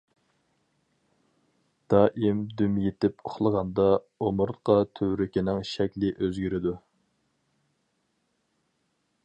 دائىم دۈم يېتىپ ئۇخلىغاندا، ئومۇرتقا تۈۋرۈكىنىڭ شەكلى ئۆزگىرىدۇ.